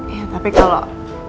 ya tapi kalau